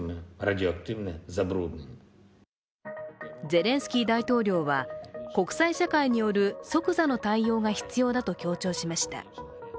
ゼレンスキー大統領は国際社会による即座の対応が必要だと強調しました。